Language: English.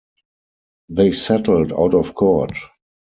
They settled out of court.